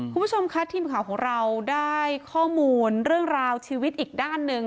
คุณผู้ชมคะทีมข่าวของเราได้ข้อมูลเรื่องราวชีวิตอีกด้านหนึ่ง